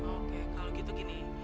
oke kalau gitu gini